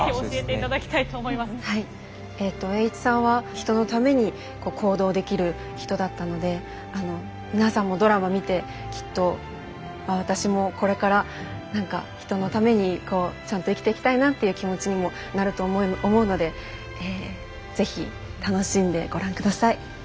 はい栄一さんは人のために行動できる人だったので皆さんもドラマ見てきっとあっ私もこれから何か人のためにこうちゃんと生きていきたいなっていう気持ちにもなると思うので是非楽しんでご覧ください。